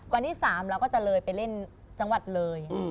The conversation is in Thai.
วันที่๓เราก็จะเลยไปเล่นจังหวัดเลย